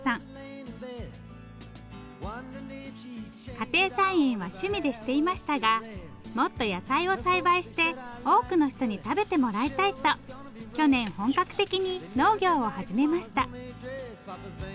家庭菜園は趣味でしていましたがもっと野菜を栽培して多くの人に食べてもらいたいと去年本格的に農業を始めました。